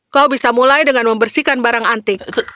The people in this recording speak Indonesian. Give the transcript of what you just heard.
kau bisa mulai dengan membersihkan barang antik